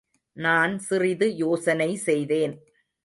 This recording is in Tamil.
நான் சிறிது யோசனை செய்தேன்.